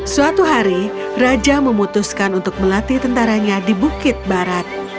suatu hari raja memutuskan untuk melatih tentaranya di bukit barat